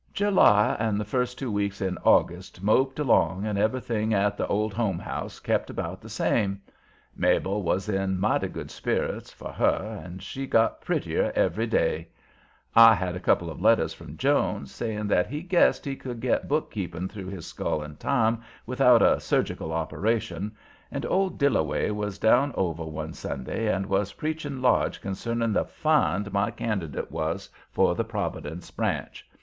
July and the first two weeks in August moped along and everything at the Old Home House kept about the same. Mabel was in mighty good spirits, for her, and she got prettier every day. I had a couple of letters from Jones, saying that he guessed he could get bookkeeping through his skull in time without a surgical operation, and old Dillaway was down over one Sunday and was preaching large concerning the "find" my candidate was for the Providence branch.